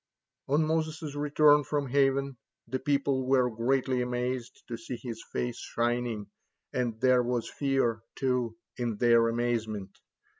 On Moses' return from heaven, the people were greatly amazed to see his face shining, and there was fear, too, in their amazement.